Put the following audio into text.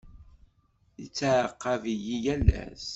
Yettɛaqab-iyi yal ass.